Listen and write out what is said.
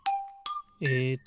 えっと